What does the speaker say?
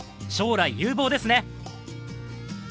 将来、有望ですね。